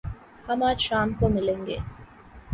ہم آج شام کو ملیں گے